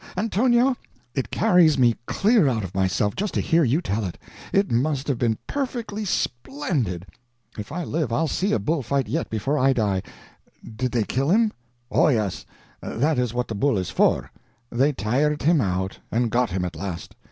"Antonio, it carries me clear out of myself just to hear you tell it; it must have been perfectly splendid. If I live, I'll see a bull fight yet before I die. Did they kill him?" "Oh yes; that is what the bull is for. They tired him out, and got him at last.